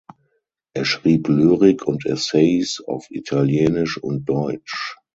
Er schrieb Lyrik und Essays auf Italienisch und Deutsch.